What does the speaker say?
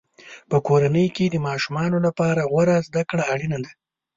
په کورنۍ کې د ماشومانو لپاره غوره زده کړه اړینه ده.